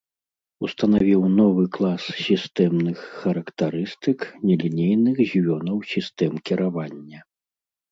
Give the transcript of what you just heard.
Устанавіў новы клас сістэмных характарыстык нелінейных звёнаў сістэм кіравання.